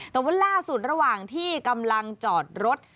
แต่ว่าล่าสุดระหว่างที่กำลังจอดรถ